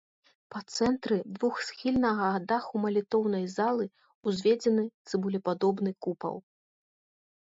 Па цэнтры двухсхільнага даху малітоўнай залы ўзведзены цыбулепадобны купал.